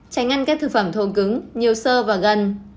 tránh ăn các thực phẩm thổn cứng nhiều sơ và gần